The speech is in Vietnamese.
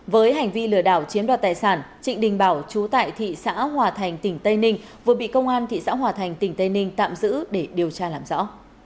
với hành vi lừa đảo chiếm đoạt tài sản trịnh đình bảo chú tại thị xã hòa thành tỉnh tây ninh vừa bị công an thị xã hòa thành tỉnh tây ninh tạm giữ để điều tra làm rõ